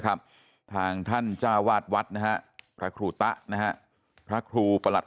ครับทางท่านจ้าวาดวัดนะฮะพระครูตะนะฮะพระครูประหลัด